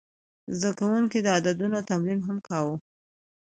زده کوونکي د عددونو تمرین هم کاوه.